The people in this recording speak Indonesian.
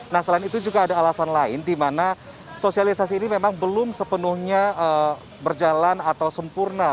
nah selain itu juga ada alasan lain di mana sosialisasi ini memang belum sepenuhnya berjalan atau sempurna